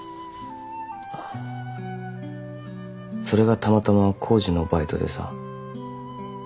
それがたまたま工事のバイトでさ。